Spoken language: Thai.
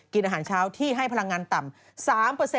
กินอาหารเช้าที่ให้พลังงานต่ำ๓